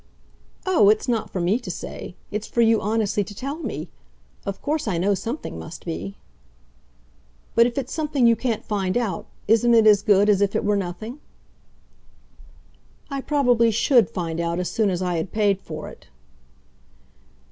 "Oh, it's not for me to say; it's for you honestly to tell me. Of course I know something must be." "But if it's something you can't find out, isn't it as good as if it were nothing?" "I probably SHOULD find out as soon as I had paid for it."